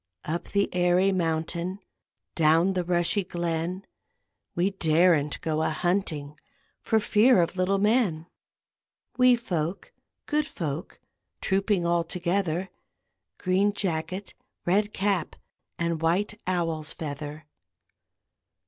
Up the airy mountain, Down the rushy glen, We daren't go a hunting For fear of little men; Wee folk, good folk, Trooping all together; Green jacket, red cap, And white owl's feather.